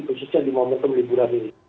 khususnya di momentum liburan ini